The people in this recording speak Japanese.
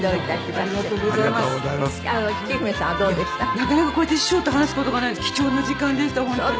なかなかこうやって師匠と話す事がない貴重な時間でした本当に。